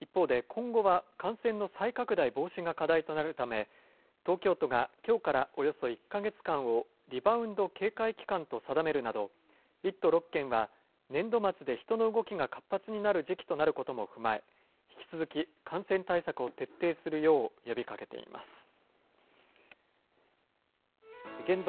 一方で、今後は感染の再拡大防止が課題となるため、東京都がきょうからおよそ１か月間をリバウンド警戒期間と定めるなど、１都６県は、年度末で人の動きが活発になる時期となることも踏まえ、引き続き感染対策を徹底するよう呼びかけています。